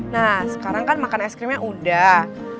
nah sekarang kan makan es krimnya udah